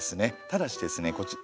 ただしですねこち。